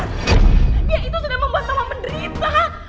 ya itu sudah membuat sama menderita